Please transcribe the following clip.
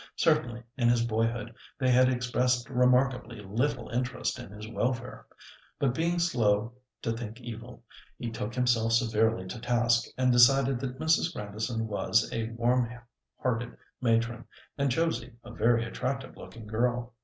Certainly, in his boyhood, they had expressed remarkably little interest in his welfare. But being slow to think evil, he took himself severely to task, and decided that Mrs. Grandison was a warm hearted matron, and Josie a very attractive looking girl.